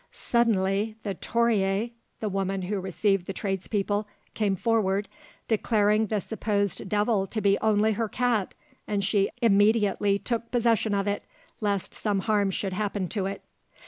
Suddenly the 'touriere', (the woman who received the tradespeople,) came forward, declaring the supposed devil to be only her cat, and she immediately took possession of it, lest some harm should happen to it.